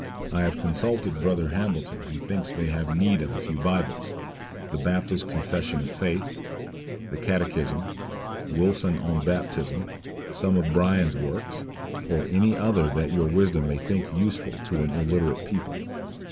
I have consulted brother Hambleton, who thinks they have need of a few Bibles, the Baptist Confession of Faith, and Catechism; Wilson on Baptism, some of Bunyan's works, or any other that your wisdom may think useful to an illerate people.